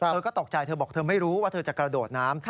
เธอก็ตกใจเธอบอกเธอไม่รู้ว่าเธอจะกระโดดน้ำ